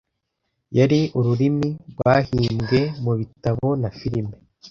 yari ururimi rwahimbwe mubitabo na firime